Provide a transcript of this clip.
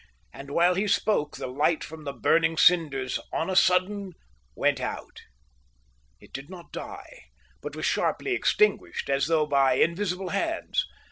And while he spoke the light from the burning cinders on a sudden went out. It did not die, but was sharply extinguished, as though by invisible hands.